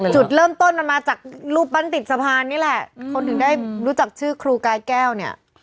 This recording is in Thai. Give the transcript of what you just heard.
จุดเริ่มต้นมันมาจากรูปปั้นติดสะพานนี่แหละคนถึงได้รู้จักชื่อครูกายแก้วเนี่ย